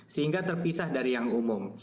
sehingga terpisah dari yang umum